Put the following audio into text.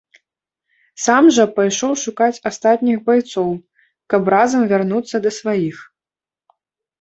Сам жа пайшоў шукаць астатніх байцоў, каб разам вярнуцца да сваіх.